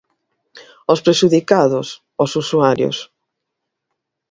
Os prexudicados, os usuarios.